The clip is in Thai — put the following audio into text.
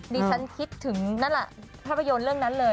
ดิฉันคิดถึงนั่นแหละภาพยนตร์เรื่องนั้นเลย